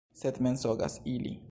Sed mensogas ili!